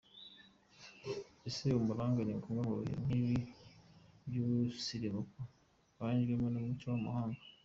Ese Umuranga ni ngombwa muri ibi bihe by’umusirimuko wajwemo n’umuco w’amahanga?.